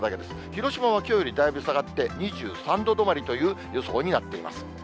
広島もきょうよりだいぶ下がって、２３度止まりという予想になっています。